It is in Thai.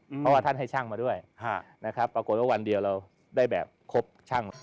เพราะว่าท่านให้ช่างมาด้วยนะครับปรากฏว่าวันเดียวเราได้แบบครบช่าง